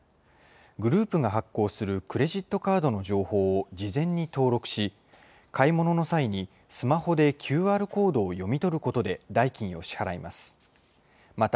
グループが発行するクレジットカードの情報を事前に登録し、買い物の際に、スマホでＱＲコードを読み取ることで代金を支払います。